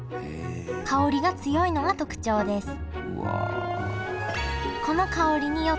香りが強いのが特徴ですうわ！